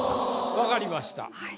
分かりました。